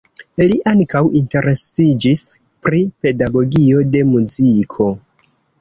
Li ankaŭ interesiĝis pri pedagogio de muziko.